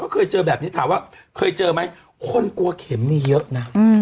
เคยเจอแบบนี้ถามว่าเคยเจอไหมคนกลัวเข็มมีเยอะนะ